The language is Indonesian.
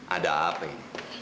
ada apa ini